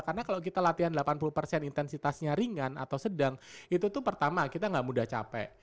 karena kalo kita latihan delapan puluh intensitasnya ringan atau sedang itu tuh pertama kita gak mudah capek